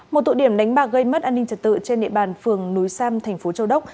một tụ điểm đánh bạc gây mất an ninh trật tự trên địa bàn phường núi sam thành phố châu đốc